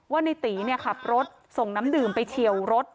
ว่าในตีขับรถส่งน้ำดื่มไปเฉียวรถ